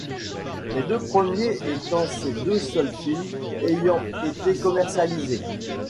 Les deux premiers étant ses deux seuls films ayant été commercialisés.